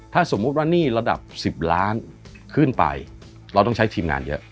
ถ้าสมมุติว่าหนี้ระดับ๑๐ล้านขึ้นไปเราต้องใช้ทีมงานเยอะ